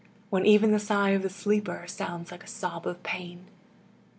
When even the sigh of the sleeper Sounds like a sob of pain.